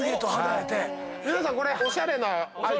皆さんこれ。